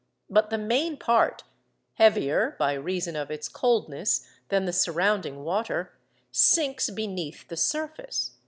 But the main part, (heavier, by reason of its coldness, than the surrounding water,) sinks beneath the surface.